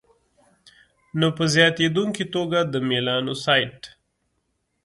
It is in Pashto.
نو په زیاتېدونکي توګه د میلانوسایټ